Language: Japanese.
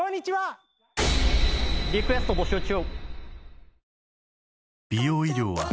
リクエスト募集中。